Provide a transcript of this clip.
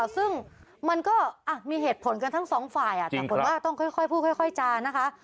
ซึ่งมันก็มีเหตุผลกันทั้งสองฝ่ายแต่ผมว่าต้องค่อยพูดค่อยจานะคะ